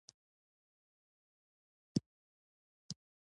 يحيی خان سړه سا وايسته.